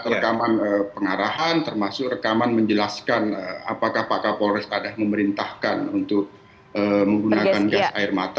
rekaman pengarahan termasuk rekaman menjelaskan apakah pak kapolres ada memerintahkan untuk menggunakan gas air mata